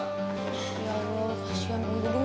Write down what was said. ya allah kasian om dudung